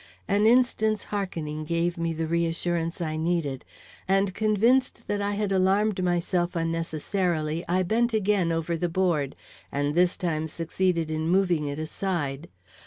An instant's hearkening gave me the reassurance I needed, and convinced that I had alarmed myself unnecessarily, I bent again over the board, and this time succeeded in moving it aside.